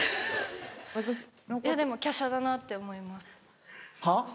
いやでも華奢だなって思います。